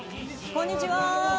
こんにちは。